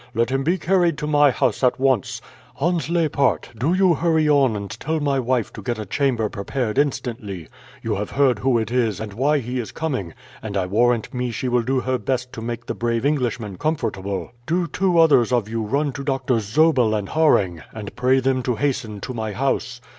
"Let him be carried to my house at once. Hans Leipart, do you hurry on and tell my wife to get a chamber prepared instantly. You have heard who it is, and why he is coming, and I warrant me she will do her best to make the brave Englishman comfortable. Do two others of you run to Doctors Zobel and Harreng, and pray them to hasten to my house.